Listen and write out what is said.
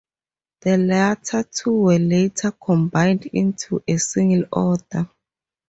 The latter two were later combined into a single order.